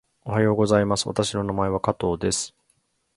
おはようございます。私の名前は加藤です。